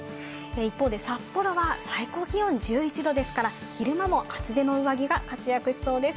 一方で札幌は最高気温１１度ですから、昼間も厚手の上着が活躍しそうです。